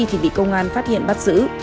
thì bị công an phát hiện bắt giữ